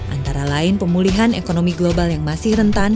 antara lain pemulihan ekonomi global yang masih rentan